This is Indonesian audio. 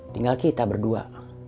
tinggal kita berdua